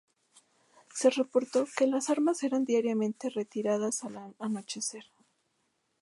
Se reportó que las armas eran diariamente retiradas al anochecer.